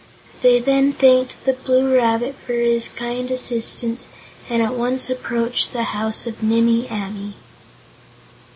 They then thanked the Blue Rabbit for his kind assistance, and at once approached the house of Nimme Amee.